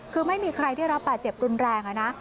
คือไม่มีใครได้รับบาดเจ็บรุนแรงนะ